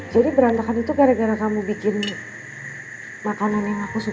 jadi berantakan itu gara gara kamu bikin makanan yang aku suka